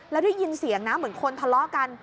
แล้วได้ยินเสียงนะเหมือนคนทะเลาะกัน